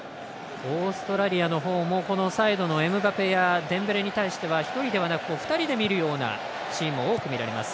オーストラリアの方もサイドのエムバペやデンベレに対しては１人でなく２人で見るシーンも多く見られます。